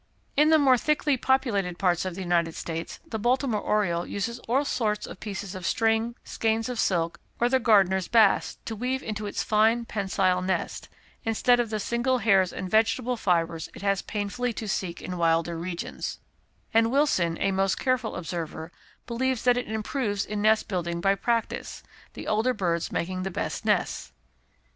In the more thickly populated parts of the United States, the Baltimore oriole uses all sorts of pieces of string, skeins of silk, or the gardener's bass, to weave into its fine pensile nest, instead of the single hairs and vegetable fibres it has painfully to seek in wilder regions; and Wilson, a most careful observer, believes that it improves in nest building by practice the older birds making the best nests.